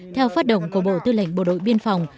theo phát động của bộ tư lệnh bộ đội biên phòng